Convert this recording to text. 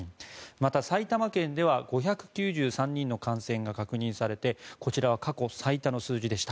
また、埼玉県では５９３人の感染が確認されてこちらは過去最多の数字でした。